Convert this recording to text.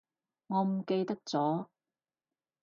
我唔記得咗